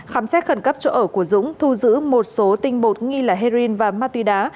khám xét khẩn cấp chỗ ở của dũng thu giữ một số tinh bột nghi là heroin và ma túy đá